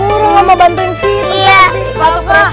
orang mau bantuin kita